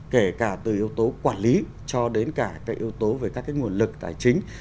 kể cả từ yếu tố quản lý cho đến cả các yếu tố về các nguồn lực tài chính